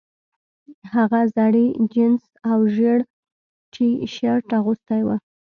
هغه زړې جینس او ژیړ ټي شرټ اغوستی و